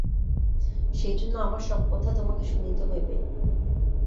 সেইজন্য আমার সব কথা তোমাকে শুনিতে হইবে।